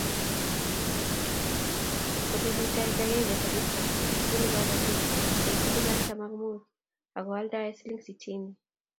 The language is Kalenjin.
Ole litait akenge Felista kobunuu kabotiik eng siling artam ak muut akoaldae siling sitini.